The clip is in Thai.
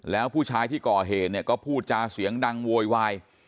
แล้วผู้ชายที่ก่อเหตุเนี่ยก็พูดจาเสียงดังโวยวาย